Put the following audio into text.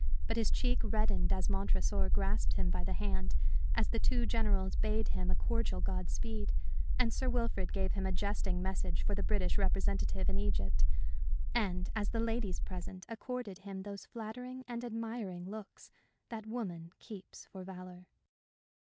But his cheek reddened as Montresor grasped him by the hand, as the two generals bade him a cordial godspeed, as Sir Wilfrid gave him a jesting message for the British representative in Egypt, and as the ladies present accorded him those flattering and admiring looks that woman keeps for valor.